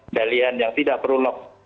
kalian yang tidak perlu lock